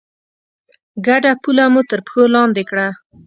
ګډه پوله مو تر پښو لاندې کړه.